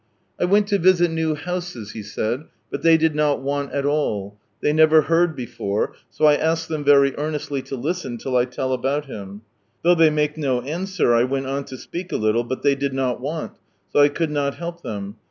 " I went to visit new houses, but they did not want at all ; they never heard before, so 1 ask them very earnestly to listen till I tell about Him. Though they make no answer, I went on to speak a little, but they did not want, so I could not help them.